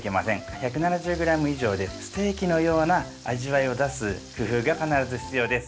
１７０グラム以上でステーキのような味わいを出す工夫が必ず必要です。